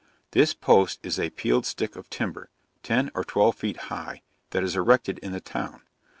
This post is a peeled stick of timber, 10 or 12 feet high, that is erected in the town.